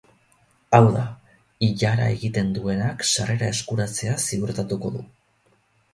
Hau da, ilara egiten duenak sarrera eskuratzea ziurtatuko du.